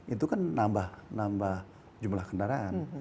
itu kan nambah jumlah kendaraan